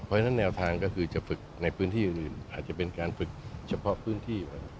เพราะฉะนั้นแนวทางก็คือจะฝึกในพื้นที่อื่นอาจจะเป็นการฝึกเฉพาะพื้นที่